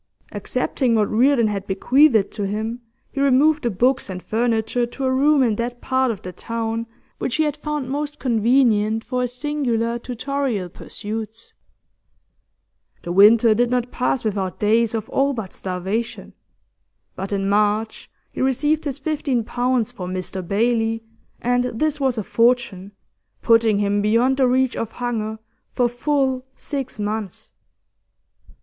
Accepting what Reardon had bequeathed to him, he removed the books and furniture to a room in that part of the town which he had found most convenient for his singular tutorial pursuits. The winter did not pass without days of all but starvation, but in March he received his fifteen pounds for 'Mr Bailey,' and this was a fortune, putting him beyond the reach of hunger for full six months.